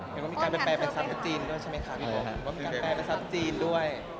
ว่ามันจะไม่ไปซัพจีนด้วย